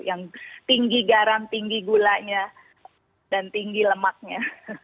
yang tinggi garam tinggi gulanya dan tinggi lemaknya